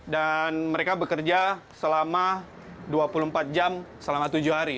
dan mereka bekerja selama dua puluh empat jam selama tujuh hari